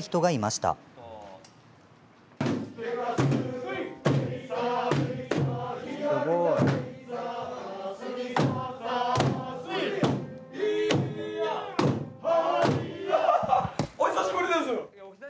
すごい。お久しぶりです。